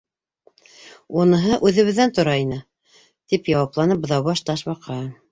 —Уныһы үҙебеҙҙән тора ине, —тип яуапланы Быҙаубаш Ташбаҡа.